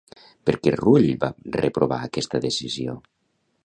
Per què Rull va reprovar aquesta decisió?